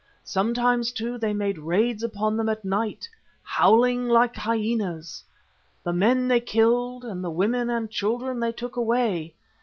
Sometimes, too, they made raids upon them at night, 'howling like hyenas.' The men they killed and the women and children they took away.